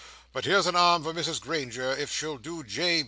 But here's an arm for Mrs Granger if she'll do J.